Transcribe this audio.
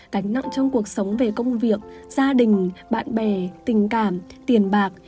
cánh nặng trong cuộc sống về công việc gia đình bạn bè tình cảm tiền bạc